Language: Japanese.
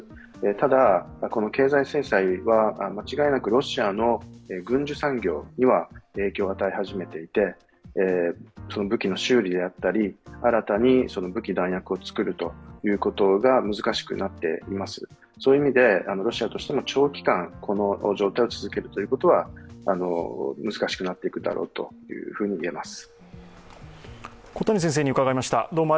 ただ、経済制裁は間違いなくロシアの軍需産業には影響を与え始めていて武器の修理であったり、新たに武器・弾薬を作ることが難しくなっています、そういう意味でロシアとしても長期間、この状態を続けるということは難しくなっていくだろうと言えます。